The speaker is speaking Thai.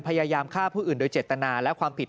พยายามฆ่าผู้อื่นโดยเจตนาและความผิด